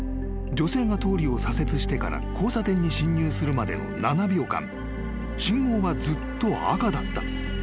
［女性が通りを左折してから交差点に進入するまでの７秒間信号はずっと赤だった］